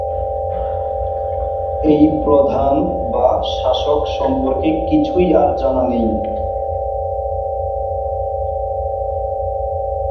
এই প্রধান বা শাসক সম্পর্কে কিছুই আর জানা নেই।